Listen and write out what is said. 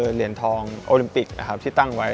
เหรียญทองโอลิมปิกที่ตั้งไว้